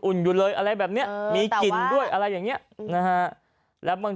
อุ่นอยู่เลยมีกลิ่นด้วยอะไรแบบนี้